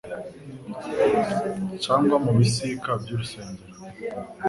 cyangwa mu bisika by'urusengero.